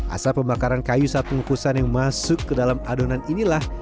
asap pembakaran kayu saat pengukusan yang masuk ke dalam adonan inilah